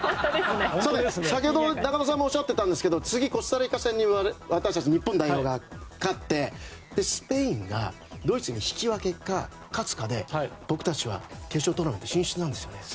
先ほど、中田さんもおっしゃってたんですが次、コスタリカ戦に日本代表が勝ってスペインがドイツに引き分けか勝つかで僕たちは決勝トーナメント進出なんですよね。